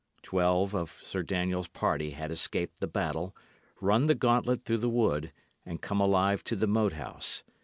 Twelve of Sir Daniel's party had escaped the battle, run the gauntlet through the wood, and come alive to the Moat House.